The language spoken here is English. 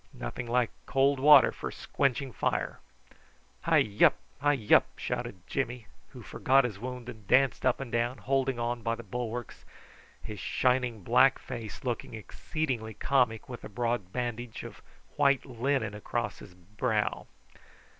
Nothing like cold water for squenching fire." "Hi wup! hi wup!" shouted Jimmy, who forgot his wound, and danced up and down, holding on by the bulwarks, his shining black face looking exceedingly comic with a broad bandage of white linen across his brow.